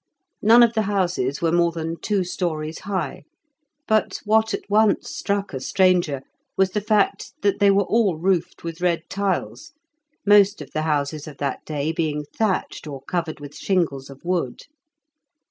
None of the houses were more than two storeys high, but what at once struck a stranger was the fact that they were all roofed with red tiles, most of the houses of that day being thatched or covered with shingles of wood.